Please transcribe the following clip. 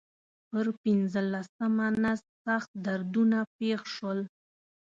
پر پنځلسمه نس سخت دردونه پېښ شول.